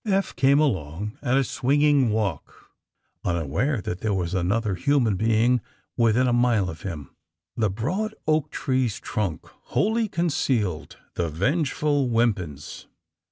Eph came along, at a swinging walk, unaware that there was another human being within a 182 THE SUBMAEINE BOYS mile of Hm. The broad oak tree's trunk wholly concealed the vengeful Wimpins.